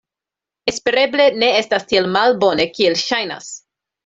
Espereble ne estas tiel malbone, kiel ŝajnas.